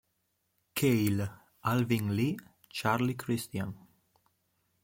Cale, Alvin Lee, Charlie Christian.